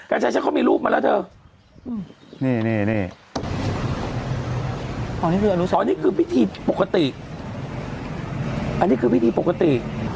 อันนี้คือพิธีปกติ